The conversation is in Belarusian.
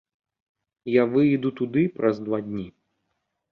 Я выеду туды праз два дні.